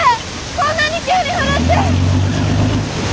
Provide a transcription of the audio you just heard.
こんなに急に降るって。